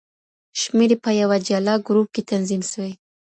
شمېرې په يوه جلا ګروپ کي تنظيم سوې.